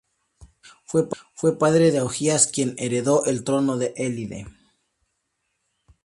Fue padre de Augías, quien heredó el trono de Élide.